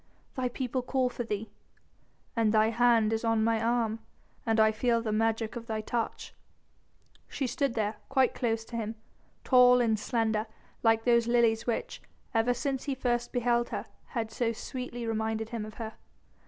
"The people call for thee." "And thy hand is on my arm and I feel the magic of thy touch." She stood there quite close to him, tall and slender like those lilies which ever since he first beheld her had so sweetly reminded him of her.